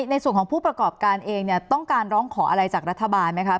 ในส่วนของผู้ประกอบการเองเนี่ยต้องการร้องขออะไรจากรัฐบาลไหมคะ